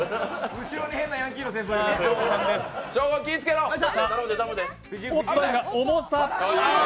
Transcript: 後ろに変なヤンキーの先輩いる。